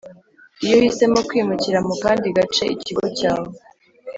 Iyo uhisemo kwimukira mu kandi gace ikigo cyawe